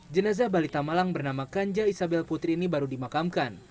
jenazah balita malang bernama kanja isabel putri ini baru dimakamkan